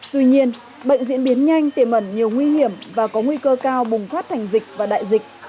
tuy nhiên bệnh diễn biến nhanh tiềm ẩn nhiều nguy hiểm và có nguy cơ cao bùng phát thành dịch và đại dịch